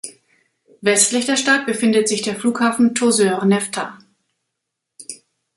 Westlich der Stadt befindet sich der Flughafen Tozeur-Nefta.